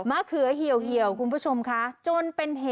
มะเขือเหี่ยวเหี่ยวคุณผู้ชมคะจนเป็น